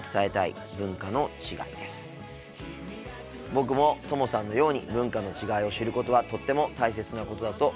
僕もともさんのように文化の違いを知ることはとっても大切なことだと思います。